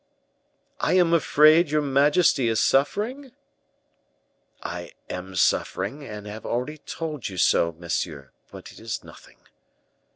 "I am afraid your majesty is suffering?" "I am suffering, and have already told you so, monsieur; but it is nothing."